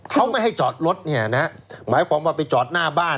เขาไม่ให้จอดรถเนี่ยนะฮะหมายความว่าไปจอดหน้าบ้าน